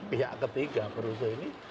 pihak ketiga perusahaan ini